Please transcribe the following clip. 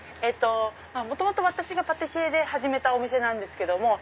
元々私がパティシエで始めたお店なんですけども。